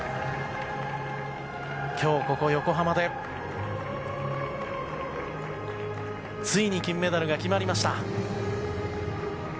今日ここ横浜でついに金メダルが決まりました。